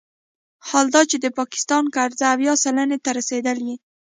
حال دا چې د پاکستان قرضه اویا سلنې ته رسیدلې